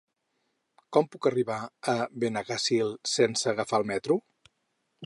Com puc arribar a Benaguasil sense agafar el metro?